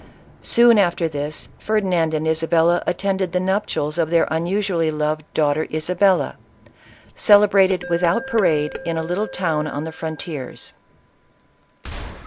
Soon after this, Ferdinand and Isabella attended the 128 ISABELLA OF CASTILE. nuptials of their unusually loved daughter Isabella, celebrated without parade in a little town on the fron tiers.